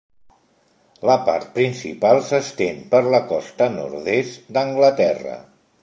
La part principal s'estén per la costa nord-est d'Anglaterra.